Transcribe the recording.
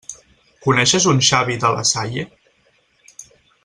Coneixes un Xavi de La Salle?